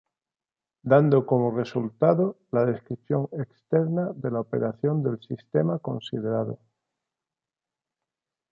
Dando como resultado la descripción externa de la operación del sistema considerado.